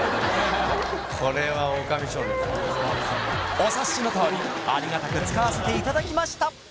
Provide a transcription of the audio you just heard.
お察しのとおりありがたく使わせていただきました